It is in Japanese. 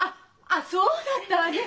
あっそうだったわね！